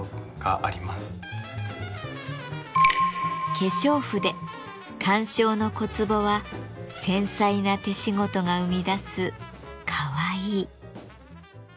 化粧筆鑑賞の小壺は繊細な手仕事が生み出す“カワイイ”。